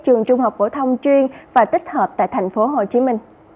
trường trung học phổ thông chuyên và tích hợp tại tp hcm